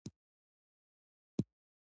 عبارت د مانا جز ښيي.